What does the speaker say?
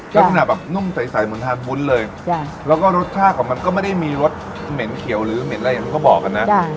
ลักษณะแบบนุ่มใสเหมือนทานวุ้นเลยแล้วก็รสชาติของมันก็ไม่ได้มีรสเหม็นเขียวหรือเหม็นอะไรอย่างที่เขาบอกกันนะ